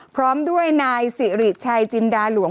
พร้อมด้วยนายสิริชัยจินดาหลวง